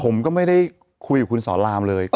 ผมก็ไม่ได้คุยกับคุณสอนรามเลย